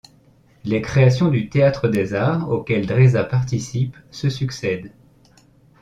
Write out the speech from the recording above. Les créations du Théâtre des Arts auxquelles Drésa participe se succèdent.